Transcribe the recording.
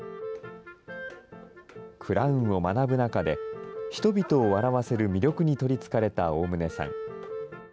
クラウンを学ぶ中で、人々を笑わせる魅力に取りつかれた大棟さん。